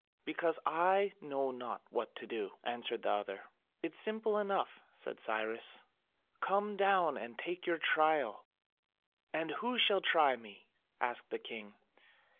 "Because I know not what to do," answered the other. "It is simple enough," said Cyrus, "come down and take your trial." "And who shall try me?" asked the king.